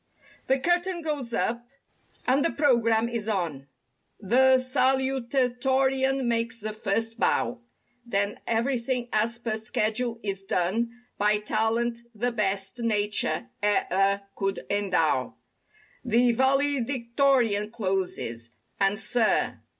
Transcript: The curtain goes up and the program is on; The salutatorian makes the first bow; Then, everything, as per schedule is done By talent the best Nature e'er could endow. The valedictorian closes—and sir.